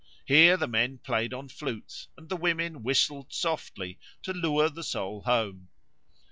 Here the men played on flutes and the women whistled softly to lure the soul home.